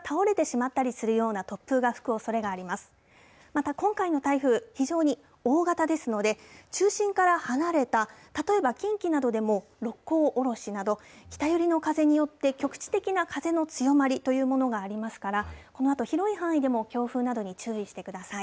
また、今回の台風、非常に大型ですので、中心から離れた、例えば近畿などでも、六甲おろしなど、北寄りの風によって、局地的な風の強まりというものがありますから、このあと、広い範囲でも強風などに注意してください。